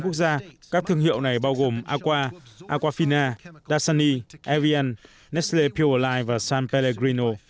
ở chín quốc gia các thương hiệu này bao gồm aqua aquafina dasani evian nestle pure life và san pellegrino